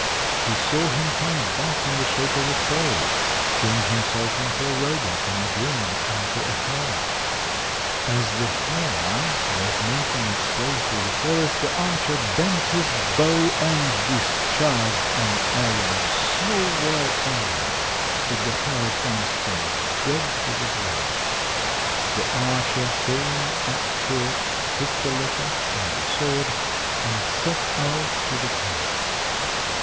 He saw him come back in the shape of a crow, change himself into a roebuck, and again into a hare. As the hare was making its way through the forest the archer bent his bow, and discharged an arrow so well aimed that the hare at once fell dead to the ground. The archer came up to it, took the letter and the sword, and set out to the palace.